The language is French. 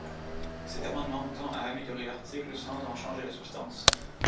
Cet amendement tend à améliorer l’article sans en changer la substance.